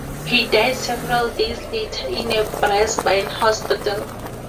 He died several days later in a Brisbane hospital.